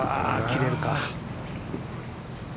切れるか。